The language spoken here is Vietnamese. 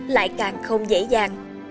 lại càng không dễ dàng